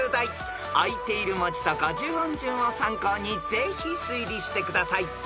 ［あいている文字と五十音順を参考にぜひ推理してください］